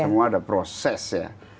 semua ada proses ya